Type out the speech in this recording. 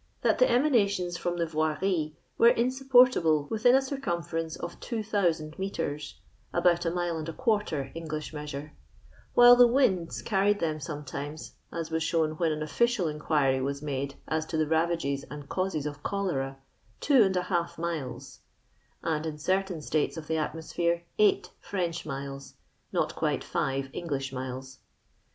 that the emanations from the Yoirie were in supportable within a circumference of 2000 mHres (about a mile and a quarter, English measure) ; while the winds carried Uiem sometimes, as was shown when an official inquiry was made as to tlie ravages and causes of cholera, 2^ miles ; and in certain states of the atmosphere, 8 French miles (not quite 5 English miles).